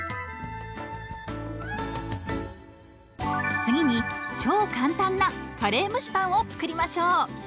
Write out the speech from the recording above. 次に超簡単なカレー蒸しパンを作りましょう。